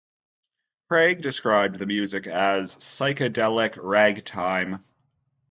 Craig described the music as "psychedelic ragtime".